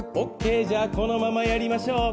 え、じゃあ、このままやりましょう。